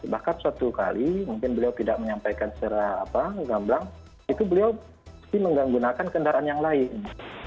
bahkan suatu kali mungkin beliau tidak menyampaikan secara gamblang itu beliau mengganggunakan kendaraan yang lain